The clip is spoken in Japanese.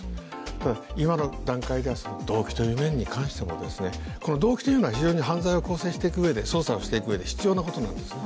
ただ、今の段階では動機という面に関しても動機というのは非常に犯罪を構成していくうえで、捜査をしていくうえで必要なことなんですね。